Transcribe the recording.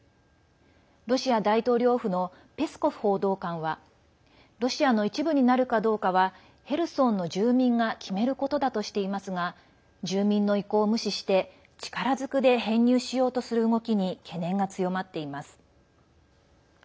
ロシア大統領府のペスコフ報道官はロシアの一部になるかどうかはヘルソンの住民が決めることだとしていますが住民の意向を無視して力ずくで編入しようとする動きに懸念が強まっています。